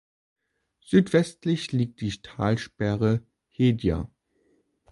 Südwestlich liegt die Talsperre Heyda.